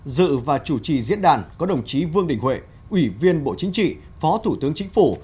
dự và chủ trì diễn đàn có đồng chí vương đình huệ ủy viên bộ chính trị phó thủ tướng chính phủ